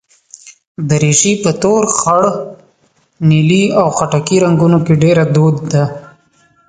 دریشي په تور، خړ، نیلي او خټکي رنګونو کې ډېره دود ده.